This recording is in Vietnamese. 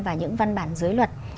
và những văn bản dưới luật